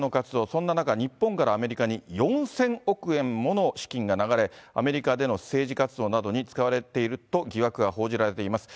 そんな中、日本からアメリカに４０００億円もの資金が流れ、アメリカでの政治活動などに使われていると疑惑が報じられています。